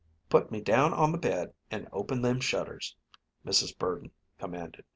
"Put me down on the bed, and open them shutters," Mrs. Purdon commanded.